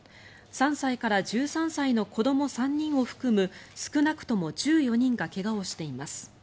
３歳から１３歳の子ども３人を含む少なくとも１４人が怪我をしています。